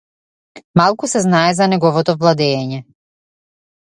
Малку се знае за неговото владеење.